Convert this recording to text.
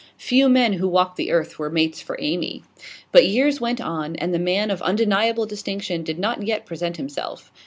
Few men who walked the earth were mates for Amy. But years went on, and the man of undeniable distinction did not yet present himself.